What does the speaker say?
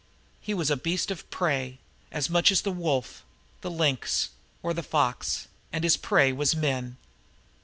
He was a beast of prey, as much as the wolf, the lynx, or the fox and his prey was men.